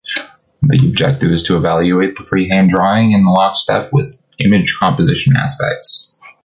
The objective is to evaluate the freehand drawing in lockstep with image composition aspects.